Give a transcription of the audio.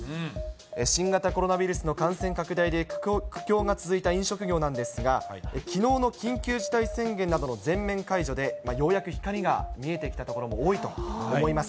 新型コロナウイルスの感染拡大で苦境が続いた飲食業なんですが、きのうの緊急事態宣言などの全面解除で、ようやく光が見えてきたところも多いと思います。